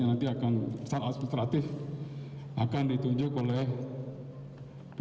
mengingatkan tidak clock